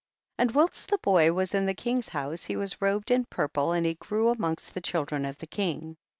32. And whilst the bov was in the king's house, he was robed in purple and he grew amongst the chil dren of the king.